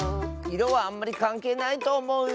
いろはあんまりかんけいないとおもう。